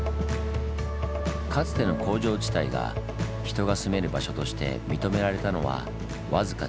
かつての工場地帯が人が住める場所として認められたのは僅か１０年前。